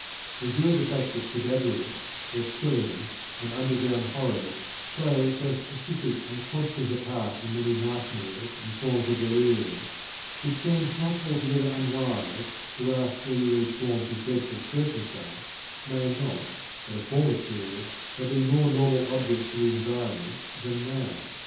In view of the fact that cadaveric, reptilian, and underground horrors play so specific and constant a part in many nightmares and forms of delirium, it seems not altogether unwise to ask whether these forms of dreadful circumstance may not at a former period have been more normal objects of the environment than now.